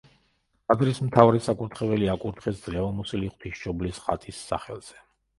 ტაძრის მთავარი საკურთხეველი აკურთხეს ძლევამოსილი ღვთისმშობლის ხატის სახელზე.